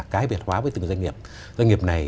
cái biệt hóa với từng doanh nghiệp doanh nghiệp này